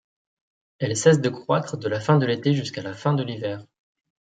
Elle cesse de croître de la fin de l'été jusqu'à la fin de l'hiver.